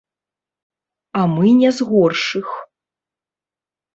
А мы не з горшых.